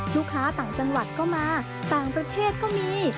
ต่างจังหวัดก็มาต่างประเทศก็มี